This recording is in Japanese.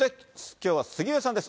きょうは杉上さんです。